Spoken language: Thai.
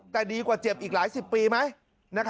แต่ดีกว่าเจ็บอีกหลายสิบปีไหม